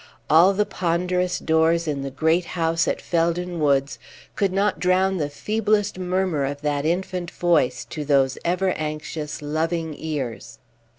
All the ponderous doors in the great house at Felden Woods could not drown the feeblest murmur of that infant voice to those ever anxious, loving ears.